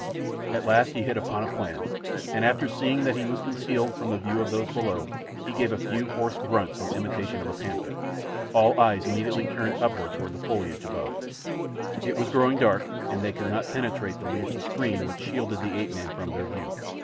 At last he hit upon a plan, and after seeing that he was concealed from the view of those below, he gave a few hoarse grunts in imitation of a panther. All eyes immediately turned upward toward the foliage above. It was growing dark, and they could not penetrate the leafy screen which shielded the ape man from their view.